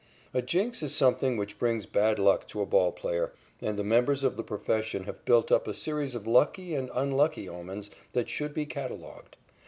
A jinx is something which brings bad luck to a ball player, and the members of the profession have built up a series of lucky and unlucky omens that should be catalogued.